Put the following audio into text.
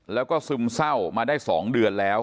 แล้วก็ซึมเศร้ามาได้๒เดือนแล้ว